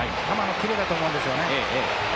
球のキレだと思うんですよね。